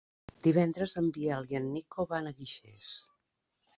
Divendres en Biel i en Nico van a Guixers.